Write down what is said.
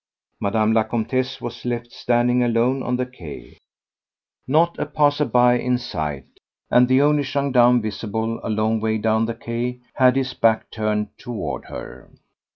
Mme. la Comtesse was left standing alone on the quay. Not a passer by in sight, and the only gendarme visible, a long way down the Quai, had his back turned toward her.